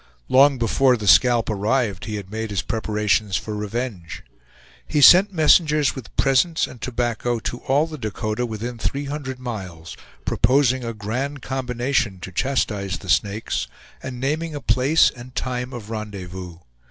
Long before the scalp arrived he had made his preparations for revenge. He sent messengers with presents and tobacco to all the Dakota within three hundred miles, proposing a grand combination to chastise the Snakes, and naming a place and time of rendezvous.